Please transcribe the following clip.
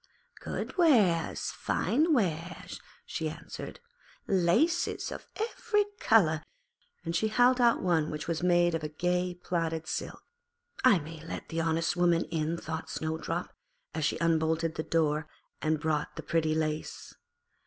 'Good wares, fine wares,' she answered, 'laces of every colour'; and she held out one which was made of gay plaited silk. 'I may let the honest woman in,' thought Snowdrop, and she unbolted the door and bought the pretty lace.